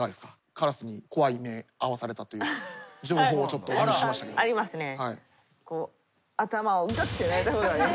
カラスに怖い目遭わされたという情報を入手しましたけど。ありますね。